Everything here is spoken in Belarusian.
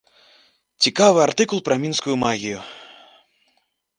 Цікавы артыкул пра мінскую магію.